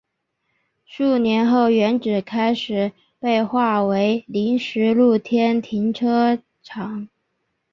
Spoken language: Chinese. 数年后原址开始被划为临时露天停车场。